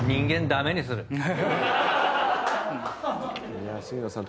いや杉野さん